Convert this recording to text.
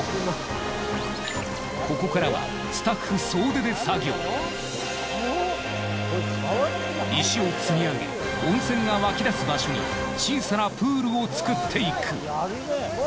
ここからはスタッフ石を積み上げ温泉が湧き出す場所に小さなプールを作っていく。